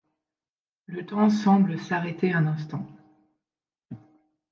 Le temps semble s’arrêter un instant.